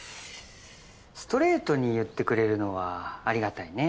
ストレートに言ってくれるのはありがたいね。